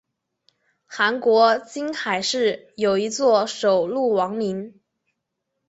韩国金海市有一座首露王陵。